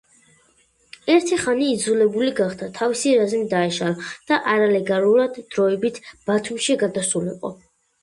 ერთი ხანი იძულებული გახდა თავისი რაზმი დაეშალა და არალეგალურად დროებით ბათუმში გადასულიყო.